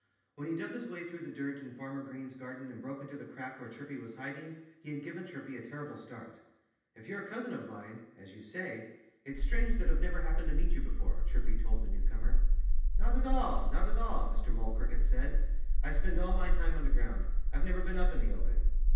When he dug his way through the dirt in Farmer Green's garden and broke into the crack where Chirpy was hiding he had given Chirpy a terrible start. "If you're a cousin of mine as you say it's strange that I've never happened to meet you before," Chirpy told the newcomer. "Not at all! Not at all!" Mr. Mole Cricket said. "I spend all my time underground. I've never been up in the open."